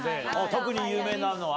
特に有名なのは。